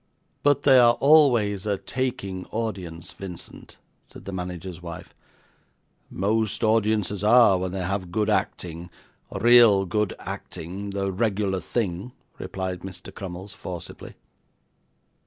'But they are always a taking audience, Vincent,' said the manager's wife. 'Most audiences are, when they have good acting real good acting the regular thing,' replied Mr. Crummles, forcibly.